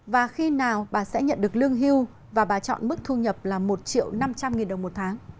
và khi nào bà sẽ nhận được lương hưu và bà chọn mức thu nhập là một triệu năm trăm linh nghìn đồng một tháng